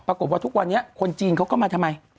ปรากฏว่าทุกวันนี้คนจีนเขาก็มาทำไม